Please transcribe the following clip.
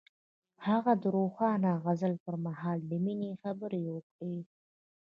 هغه د روښانه غزل پر مهال د مینې خبرې وکړې.